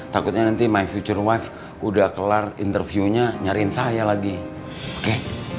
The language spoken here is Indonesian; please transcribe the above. takutnya nanti future wife udah kelar interviewnya nyariin saya lagi oke